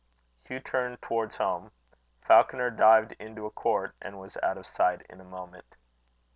Hugh turned towards home. Falconer dived into a court, and was out of sight in a moment.